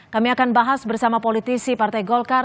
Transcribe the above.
kami akan bahas bersama politisi partai golkar